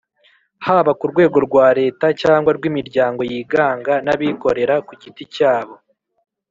(haba ku rwego rwa leta cyangwa rw'imiryango yiganga n'abikorera ku giti cyabo),